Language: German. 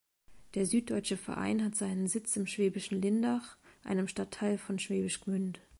Der süddeutsche Verein hat seinen Sitz im schwäbischen Lindach, einem Stadtteil von Schwäbisch Gmünd.